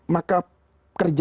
maka kerjakanmu yang pertama